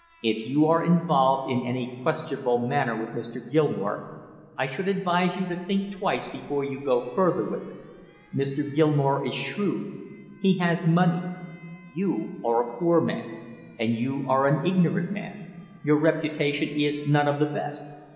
"If you are involved in any questionable manner with Mr. Gilmore, I should advise you to think twice before you go further with it. Mr. Gilmore is shrewd, he has money; you are a poor man and you are an ignorant man. Your reputation is none of the best."